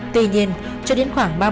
tuy nhiên cho đến khoảng